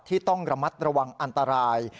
ที่ต้องระมัดระวังอันตราย